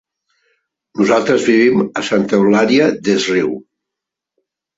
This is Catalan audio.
Nosaltres vivim a Santa Eulària des Riu.